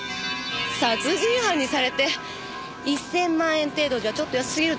殺人犯にされて１０００万円程度じゃちょっと安過ぎると思わない？